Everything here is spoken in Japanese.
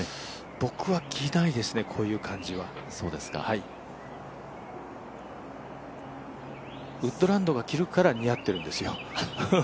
僕は着ないですね、こういう感じはウッドランドが着るから似合ってるんですよ。